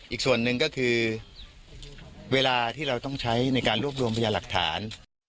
อีกส่วนหนึ่งก็คือเวลาที่เราต้องใช้ในการรวบรวมพยาหลักฐาน